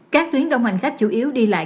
các tuyến đông hành khách chủ yếu đi lại